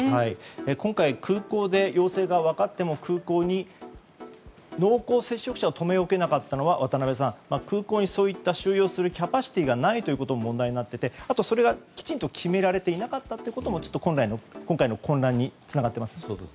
今回空港で陽性が分かっても空港に、濃厚接触者を留め置けなかったのは渡辺さん、空港にそういう収容するキャパシティーがないことが問題になっていてそれがきちんと決められていなかったことも今回の混乱につながっていますよね。